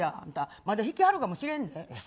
まだ弾きはるかもしれんで。